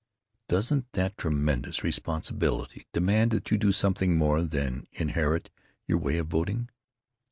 Doesn't that tremendous responsibility demand that you do something more than inherit your way of voting?